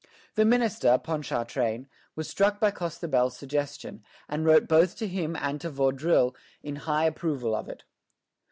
The minister, Ponchartrain, was struck by Costebelle's suggestion, and wrote both to him and to Vaudreuil in high approval of it.